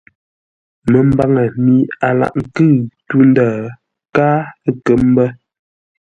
Məmbaŋə mi a laghʼ nkʉ̂ʉ tû-ndə̂ káa ə̂ kə́ mbə̂.